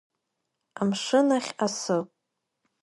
Амшын ахь асы.